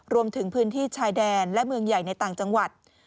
รวมถึงพื้นที่ชายแดนและเมืองใหญ่ในต่างจังหวัด